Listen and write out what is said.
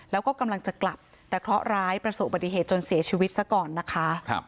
แล้วก็กำลังจะกลับแต่เคราะห์ร้ายประสบปฏิเหตุจนเสียชีวิตซะก่อนนะคะ